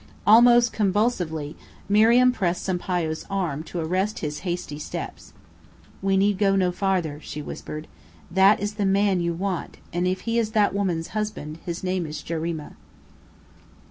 Almost convulsively Miriam pressed Sampayo's arm to arrest his hasty steps. "We need go no farther," she whispered. "That is the man you want; and if he is that woman's husband, his name is Jarima."